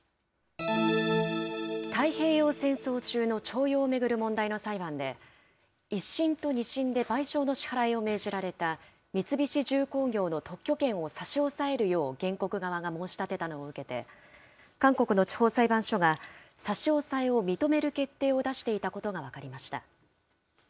太平洋戦争中の徴用を巡る問題の裁判で、１審と２審で賠償の支払いを命じられた三菱重工業の特許権を差し押さえるよう原告側が申し立てたのを受けて、韓国の地方裁判所が、差し押さえを認める決定を出していたことが分かりました。